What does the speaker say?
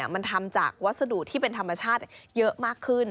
มันทำจากวัสดุที่เป็นธรรมชาติเยอะมากขึ้น